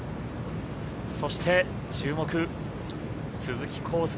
そして注目、鈴木晃祐。